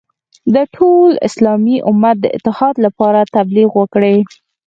د ټول اسلامي امت د اتحاد لپاره تبلیغ وکړي.